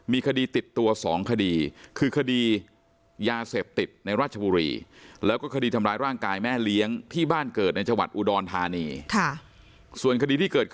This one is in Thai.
มีคดีติดตัว๒คดี